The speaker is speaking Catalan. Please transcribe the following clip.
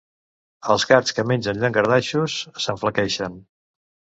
Els gats que mengen llangardaixos s'aflaqueixen.